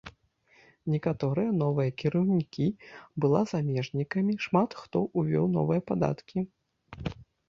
Некаторыя новыя кіраўнікі была замежнікамі, шмат хто ўвёў новыя падаткі.